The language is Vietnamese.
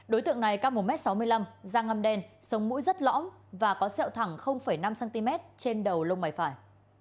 đối tượng này cao một m sáu mươi năm da ngâm đen sống mũi rất lõm và có sẹo thẳng năm cm trên đầu lông mày phải